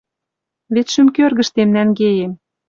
Вет шӱм кӧргӹштем нӓнгеем